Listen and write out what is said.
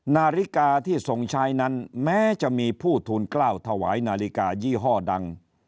นาฬิกาที่ทรงใช้นั้นแม้จะมีผู้ทูลกล้าวถวายนาฬิกายี่ห้อดัง